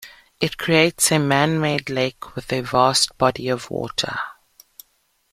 It creates a manmade lake with a vast body of water.